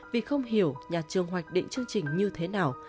vì không hiểu nhà trường hoạch định chương trình như thế nào